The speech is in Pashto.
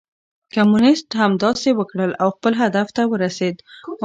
کمونيسټ همداسې وکړل او خپل هدف ته ورسېد.